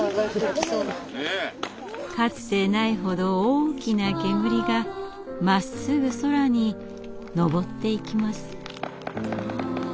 かつてないほど大きな煙がまっすぐ空に上っていきます。